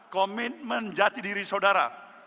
komitmen jati diri saudara